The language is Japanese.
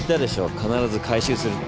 必ず回収するって。